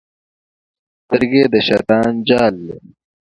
سترګې د شیطان جال دی.